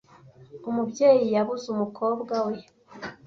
Umubyeyi yabuze umukobwa we